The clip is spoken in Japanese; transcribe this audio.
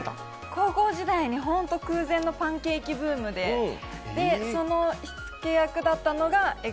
高校時代に本当に空前のパンケーキブームでその火付け役だったのがＥｇｇｓ